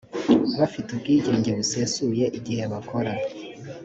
bafite ubwigenge busesuye igihe bakora